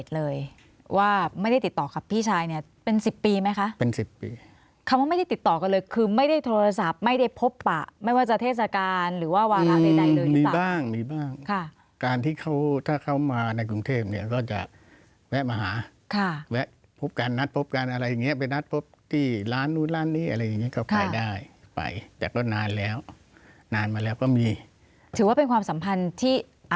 เหตุเหตุเลยว่าไม่ได้ติดต่อกับพี่ชายเนี่ยเป็น๑๐ปีไหมคะเป็น๑๐ปีคำว่าไม่ได้ติดต่อกันเลยคือไม่ได้โทรศัพท์ไม่ได้พบป่ะไม่ว่าจะเทศกาลหรือว่าวาทางใดเลยมีบ้างมีบ้างค่ะการที่เขาถ้าเข้ามาในกรุงเทพเนี่ยก็จะแวะมาหาค่ะแวะพบกันนัดพบกันอะไรอย่างเงี้ยไปนัดพบที่ร้านนู้นร้านนี้อะไรอย่างเงี้ยเข้าไป